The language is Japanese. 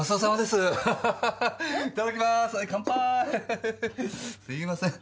すいません。